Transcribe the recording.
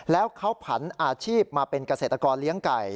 แล้วเขาผันอาชีพมาเป็นเกษตรกรเลี้ยงไก่